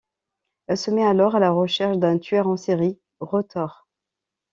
Elle se met alors à la recherche d'un tueur en série retors.